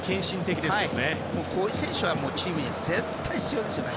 こういう選手がチームには絶対に必要ですね。